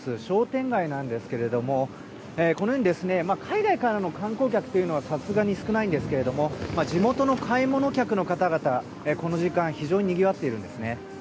商店街なんですけどこのように、海外からの観光客はさすがに少ないんですが地元の買い物客の方々この時間非常ににぎわっているんですね。